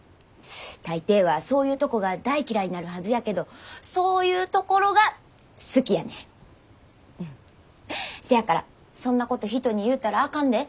大抵はそういうとこが大嫌いになるはずやけどそういうところが好きやねん。せやからそんなこと人に言うたらあかんで。